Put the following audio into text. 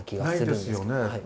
ないですよね。